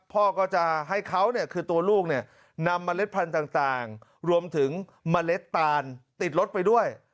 พ่อก็จะให้เขาเนี่ยคือตัวลูกเนี่ยนำเมล็ดพันธุ์ต่างรวมถึงเมล็ดตานติดรถไปด้วย